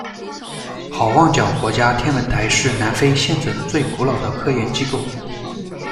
好望角国家天文台是南非现存最古老的科研机构。